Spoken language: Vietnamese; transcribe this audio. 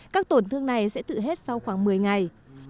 các tổn thương này sẽ tự hết sau khoảng một mươi ngày